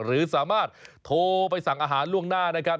หรือสามารถโทรไปสั่งอาหารล่วงหน้านะครับ